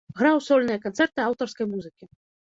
Граў сольныя канцэрты аўтарскай музыкі.